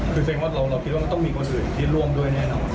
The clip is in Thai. คือเรียกว่าเราต้องมีคนอื่นที่ร่วมด้วยแน่นอน